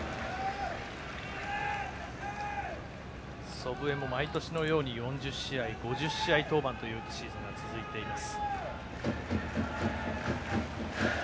祖父江も毎年のように４０試合、５０試合登板というシーズンが続いています。